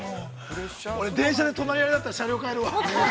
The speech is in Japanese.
◆俺、電車で隣だったら、車両を変えるわ。